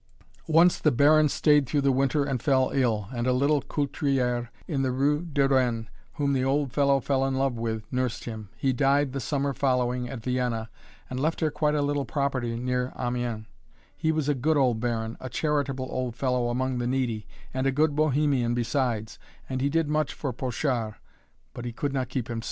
Once the Baron stayed through the winter and fell ill, and a little couturière in the rue de Rennes, whom the old fellow fell in love with, nursed him. He died the summer following, at Vienna, and left her quite a little property near Amiens. He was a good old Baron, a charitable old fellow among the needy, and a good bohemian besides; and he did much for Pochard, but he could not keep him sober!"